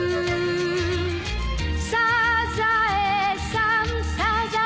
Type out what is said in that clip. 「サザエさんサザエさん」